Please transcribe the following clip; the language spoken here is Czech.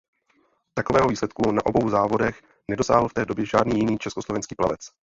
Takového výsledku na obou závodech nedosáhl v té době žádný jiný československý plavec.